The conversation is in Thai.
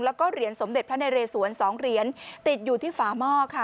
แล้วก็เหรียญสมเด็จพระนเรสวน๒เหรียญติดอยู่ที่ฝาหม้อค่ะ